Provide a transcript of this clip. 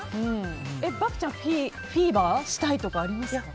漠ちゃんフィーバーしたいとかありますか。